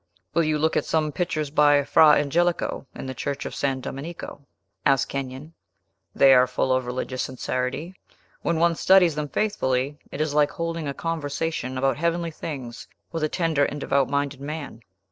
"Will you look at some pictures by Fra Angelico in the Church of San Domenico?" asked Kenyon; "they are full of religious sincerity, When one studies them faithfully, it is like holding a conversation about heavenly things with a tender and devout minded man."